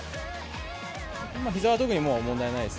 ひざは特に問題はないです。